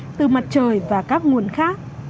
bức xạ cực tím uv từ mặt trời và các nguồn khác